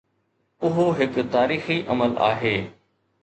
اهو هڪ تاريخي عمل آهي.